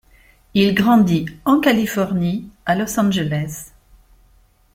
Il grandit en Californie, à Los Angeles.